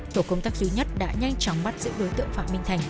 tổ công tác duy nhất đã nhanh chóng bắt giữ đối tượng phạm minh thành